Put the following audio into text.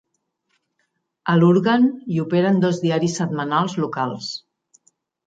A Lurgan hi operen dos diaris setmanals locals.